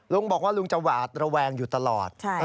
ลุงบอกว่าลุงจะหวาดระแวงอยู่ตลอด